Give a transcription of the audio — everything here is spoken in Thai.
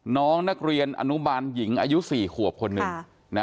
น้องนักเรียนอนุบาลหญิงอายุ๔ขัวคน๑